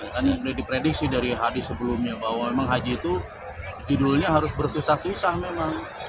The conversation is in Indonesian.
tadi sudah diprediksi dari hadi sebelumnya bahwa memang haji itu judulnya harus bersusah susah memang